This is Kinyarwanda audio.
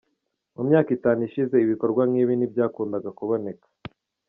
Mu myaka itanu ishize ibikorwa nk’ibi ntibyakundaga kuboneka.